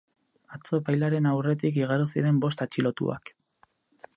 Atzo epailearen aurretik igaro ziren bost atxilotuak.